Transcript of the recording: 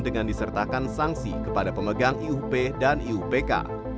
dengan disertakan sanksi kepada pemegang iup dan iupk